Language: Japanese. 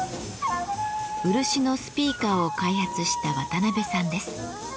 漆のスピーカーを開発した渡邉さんです。